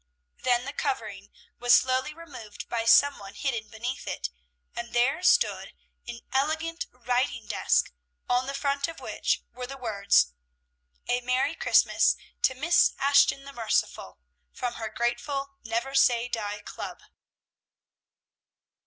Then the covering was slowly removed by some one hidden beneath it, and there stood an elegant writing desk, on the front of which were the words: "A MERRY CHRISTMAS TO MISS ASHTON THE MERCIFUL FROM HER GRATEFUL NEVER SAY DIE CLUB."